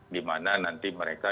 dimana nanti mereka